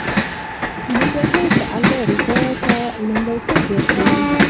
مجاهد د الله رضا ته لومړیتوب ورکوي.